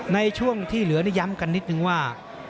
ในช่วงที่เหลือย้ำกันนิดนึงว่า